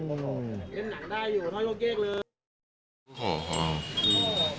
เนื้อของห่อ